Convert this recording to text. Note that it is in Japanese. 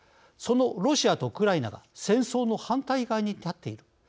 そのロシアとウクライナが戦争の反対側に立っている。